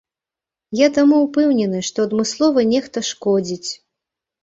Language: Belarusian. Я таму ўпэўнены, што адмыслова нехта шкодзіць.